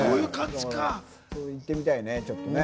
行ってみたいね。